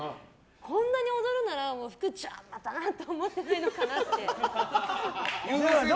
こんなに踊るなら服、邪魔だなって思ってないのかなって。